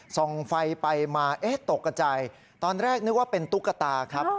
ส่องไฟไปมาเอ๊ะตกกระใจตอนแรกนึกว่าเป็นตุ๊กตาครับ